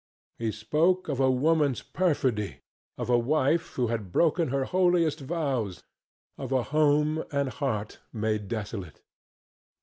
He spoke of woman's perfidy, of a wife who had broken her holiest vows, of a home and heart made desolate.